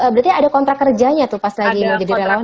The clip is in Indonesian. berarti ada kontrak kerjanya tuh pas lagi mau jadi dalawang